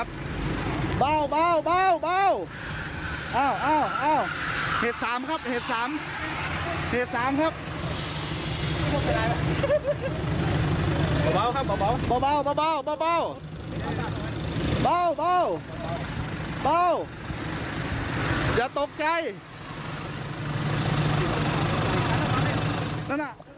เบ้าอย่าตกใกล้